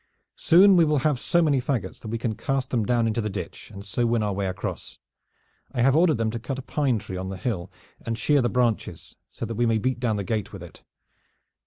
Soon we will have so many fagots that we can cast them down into the ditch, and so win our way across. I have ordered them to cut a pine tree on the hill and shear the branches so that we may beat down the gate with it.